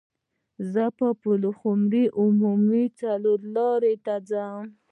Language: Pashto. زه به د پلخمري عمومي څلور لارې ته ځم.